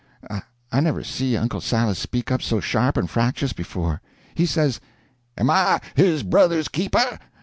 I never see Uncle Silas speak up so sharp and fractious before. He says: "Am I his brother's keeper?"